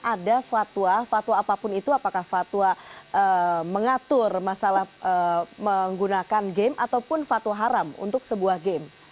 ada fatwa fatwa apapun itu apakah fatwa mengatur masalah menggunakan game ataupun fatwa haram untuk sebuah game